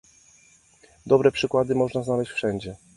Dobre przykłady można znaleźć wszędzie